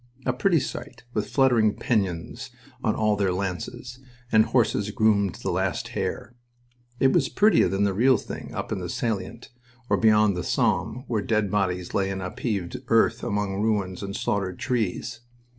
A pretty sight, with fluttering pennons on all their lances, and horses groomed to the last hair. It was prettier than the real thing up in the salient or beyond the Somme, where dead bodies lay in upheaved earth among ruins and slaughtered trees.